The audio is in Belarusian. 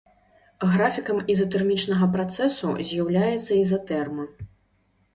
Графікам ізатэрмічнага працэсу з'яўляецца ізатэрма.